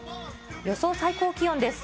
予想最高気温です。